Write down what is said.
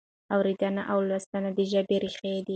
اورېدنه او لوستنه د ژبې ریښې دي.